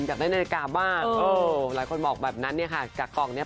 อยากได้นาฬิกาบ้างเออหลายคนบอกแบบนั้นเนี่ยค่ะจากกล่องเนี่ย